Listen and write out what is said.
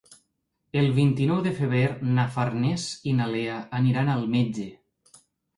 El vint-i-nou de febrer na Farners i na Lea aniran al metge.